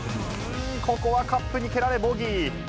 ここはカップに蹴られ、ボギー。